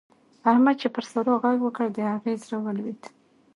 احمد چې پر سارا غږ وکړ؛ د هغې زړه ولوېد.